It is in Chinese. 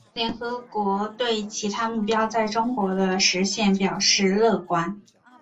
联合国对其他目标在中国的实现表示乐观。